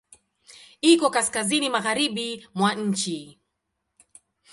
Iko kaskazini magharibi mwa nchi.